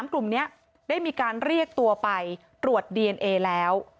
กลุ่มนี้ได้มีการเรียกตัวไปตรวจดีเอนเอแล้ว